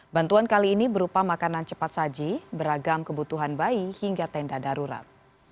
bantuan kali ini berupa makanan cepat saji beragam kebutuhan bayi hingga tenda darurat